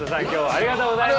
ありがとうございます。